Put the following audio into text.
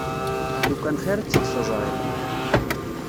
Lukan xir i tt-id-teẓriḍ!